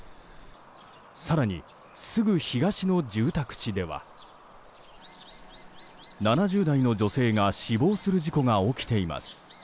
更に、すぐ東の住宅地では７０代の女性が死亡する事故が起きています。